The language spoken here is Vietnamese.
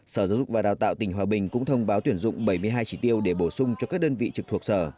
sở giáo dục và đào tạo tỉnh hòa bình cũng thông báo tuyển dụng bảy mươi hai chỉ tiêu để bổ sung cho các đơn vị trực thuộc sở